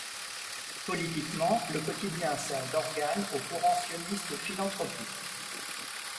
Politiquement, le quotidien sert d'organe au courant sioniste philanthropique.